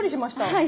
はい。